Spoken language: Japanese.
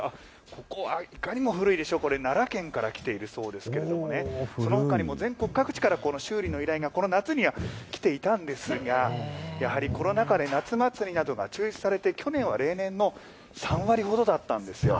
ここ、いかにも古いでしょう、奈良県から来ているそうですけれどもね、そのほかにも全国各地からこの修理の依頼がこの夏には来ていたんですが、やはりコロナ禍で夏祭りなどが中止されて、去年は例年の３割ほどだったんですよ。